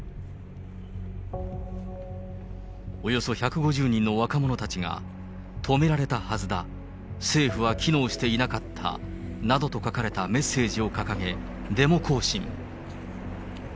およそ１５０人の若者たちが、止められたはずだ、政府は機能していなかったなどと書かれたメッセージを掲げ、デモ行進。